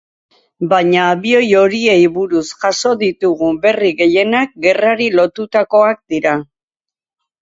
Baina abioi horiei buruz jaso ditugun berri gehienak gerrari lotutakoak dira.